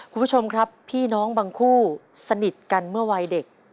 คุณผู้ชมครับพี่น้องบางคู่สนิทกันเมื่อวัยเด็ก